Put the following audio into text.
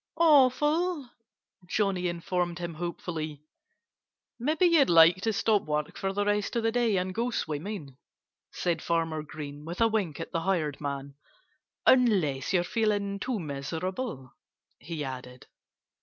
"Awful!" Johnnie informed him hopefully. "Maybe you'd like to stop work for the rest of the day and go swimming," said Farmer Green, with a wink at the hired man, "unless you're feeling too miserable," he added.